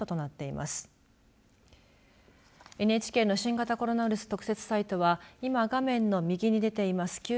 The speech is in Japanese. ＮＨＫの新型コロナウイルス特設サイトは今、画面の右に出ています